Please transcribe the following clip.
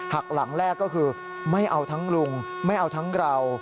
หักหลังแรกก็คือไม่เอาทั้งลุงไม่เอาทั้งเรา